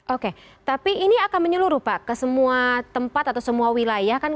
oke tapi ini akan menyeluruh pak ke semua tempat atau semua wilayah